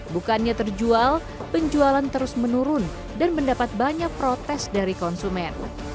bukannya terjual penjualan terus menurun dan mendapat banyak protes dari konsumen